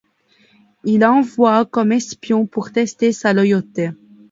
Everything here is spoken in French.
Il l'envoie comme espion pour tester sa loyauté.